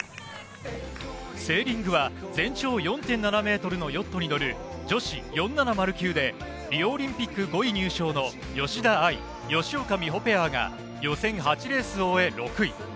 セーリングは全長４．７ｍのヨットに乗る女子４７０級でリオオリンピック５位入賞の吉田愛・吉岡美帆ペアが、予選８レースを終え６位。